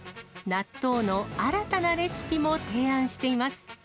納豆の新たなレシピも提案しています。